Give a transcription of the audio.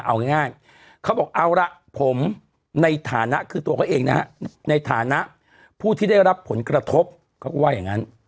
เอาง่ายเขาบอกเอาละผมในฐานะคือตัวเขาเองนะฮะในฐานะผู้ที่ได้รับผลกระทบเขาก็ว่าอย่างนั้น